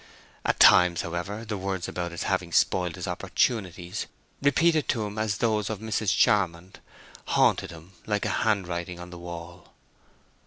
At times, however, the words about his having spoiled his opportunities, repeated to him as those of Mrs. Charmond, haunted him like a handwriting on the wall.